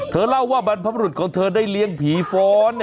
เธอเล่าว่าบรรพบริหิตเรียงผีฟ้อน